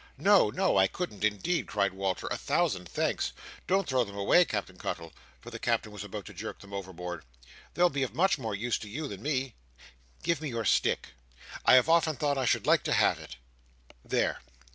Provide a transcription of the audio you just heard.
"No, no, I couldn't indeed!" cried Walter, "a thousand thanks! Don't throw them away, Captain Cuttle!" for the Captain was about to jerk them overboard. "They'll be of much more use to you than me. Give me your stick. I have often thought I should like to have it. There!